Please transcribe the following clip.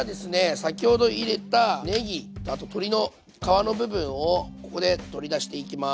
先ほど入れたねぎあと鶏の皮の部分をここで取り出していきます。